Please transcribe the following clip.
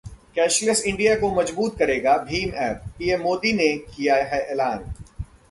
cashless India को मजबूत करेगा 'भीम' ऐप, पीएम मोदी ने किया है ऐलान